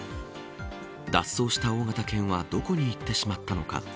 脱走した大型犬はどこに行ってしまったのか。